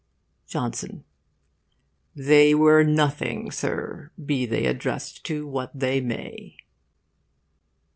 JOHNSON: They were nothing, Sir, be they addressed to what they may.